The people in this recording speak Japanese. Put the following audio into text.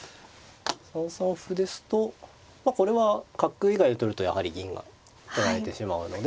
３三歩ですとこれは角以外で取るとやはり銀が取られてしまうので。